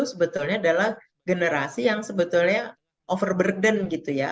sebetulnya adalah generasi yang sebetulnya overburden gitu ya